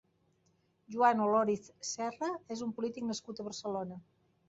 Joan Olòriz Serra és un polític nascut a Barcelona.